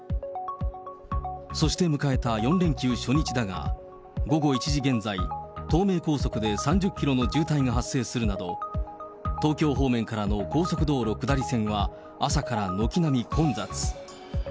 そして迎えた４連休初日だが、午後１時現在、東名高速で３０キロの渋滞が発生するなど、東京方面からの高速道路下り線は朝から軒並み混雑。